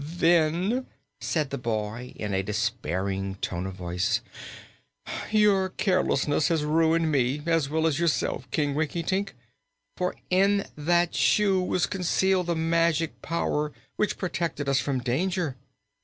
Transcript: "Then," said the boy, in a despairing tone of voice, "your carelessness has ruined me, as well as yourself, King Rinkitink, for in that shoe was concealed the magic power which protected us from danger."